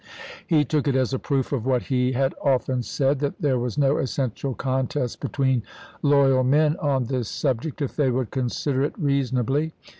He took it as a proof of what he had often THE WADE DAVIS MANIFESTO 111 said, that there was no essential contest between chap. v. loyal men on this snbject if they would consider it reasonably.